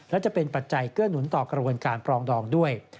และจะเป็นปัจจัยเกื้อหนุนต่อกระบวนการปรองดองด้วย